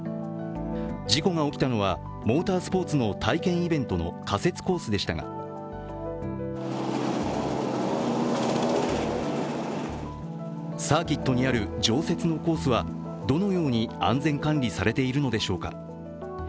事故が起きたのは、モータースポーツの体験イベントの仮設コースでしたがサーキットにある常設のコースはどのように安全管理されているのでしょうか。